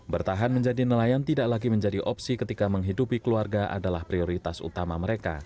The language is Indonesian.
bertahan menjadi nelayan tidak lagi menjadi opsi ketika menghidupi keluarga adalah prioritas utama mereka